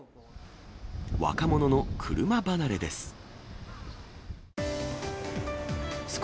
若者の車離れです。